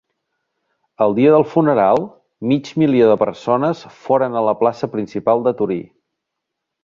El dia del funeral mig milió de persones foren a la plaça principal de Torí.